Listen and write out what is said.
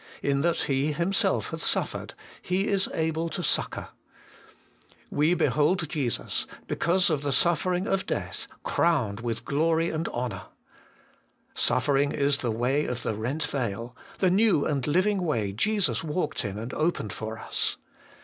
'In that He Him self hath suffered, He is able to succour.' 'We behold Jesus, because of the suffering of death, crowned with glory and honour.' Suffering is the way of the rent veil, the new and living way Jesus walked in and opened for us.